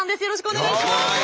よろしくお願いします。